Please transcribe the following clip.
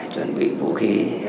chuẩn bị vũ khí